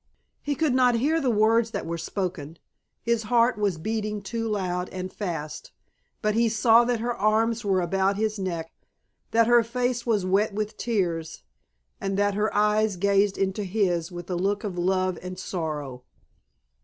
He could not hear the words that were spoken, his heart was beating too loud and fast, but he saw that her arms were about his neck, that her face was wet with tears, and that her eyes gazed into his with a look of love and sorrow.